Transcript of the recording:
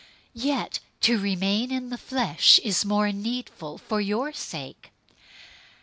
001:024 Yet, to remain in the flesh is more needful for your sake.